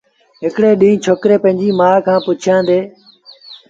هڪڙي ڏيݩهݩ ڇوڪري پنڊريٚ مآ کآݩ پُڇيآݩدي